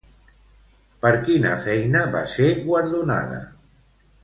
Per quina feina va ser guardonada?